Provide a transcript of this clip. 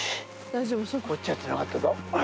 こっちやってなかったぞ。